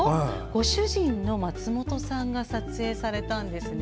ご主人の松本さんが撮影されたんですね。